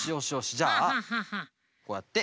じゃあこうやって。